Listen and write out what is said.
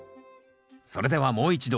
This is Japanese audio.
それではもう一度。